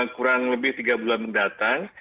kurang lebih tiga bulan mendatang